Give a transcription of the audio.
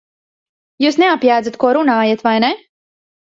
Jūs neapjēdzat, ko runājat, vai ne?